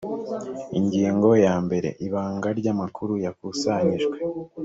ingingo ya mbere ibanga ry amakuru yakusanyijwe